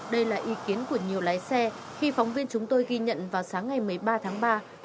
đây là ý kiến của nhiều lái xe khi phóng viên chúng tôi ghi nhận vào sáng ngày một mươi ba tháng ba